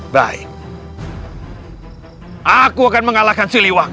baik aku akan mengalahkan siliwang